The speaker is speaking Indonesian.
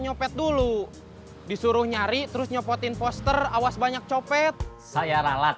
nyopet dulu disuruh nyari terus nyopotin poster awas banyak copet saya ralat